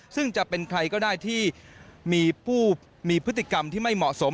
ซึ่งจะเป็นใครก็ได้ที่มีผู้มีพฤติกรรมที่ไม่เหมาะสม